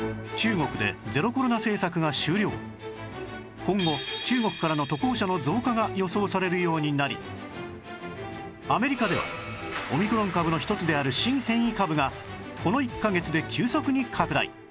今後中国からの渡航者の増加が予想されるようになりアメリカではオミクロン株の一つである新変異株がこの１カ月で急速に拡大